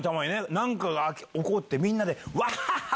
何か起こってみんなでワハハ！